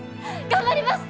頑張ります！